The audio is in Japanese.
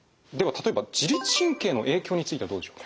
例えば自律神経の影響についてはどうでしょう？